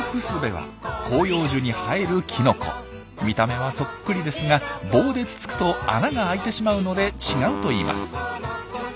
見た目はそっくりですが棒でつつくと穴があいてしまうので違うといいます。